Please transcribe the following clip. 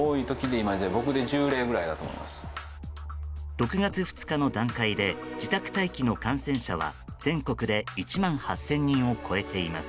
６月２日の段階で自宅待機の感染者は全国で１万８０００人を超えています。